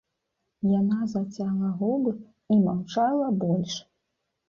Яна зацяла губы і маўчала больш.